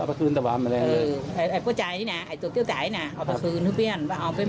เอาไปคืนทุกที่นี่เอาไปแม่อย่างนี้กัน